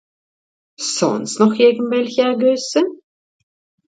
Sonst noch irgendwelche Ergüsse?